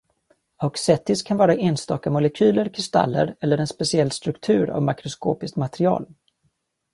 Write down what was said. Auxetics kan vara enstaka molekyler, kristaller eller en speciell struktur av makroskopiskt material.